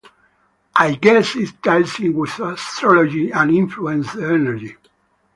I guess it ties in with astrology, and influence the energy.